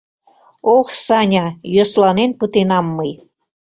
— Ох, Саня, йӧсланен пытенам мый!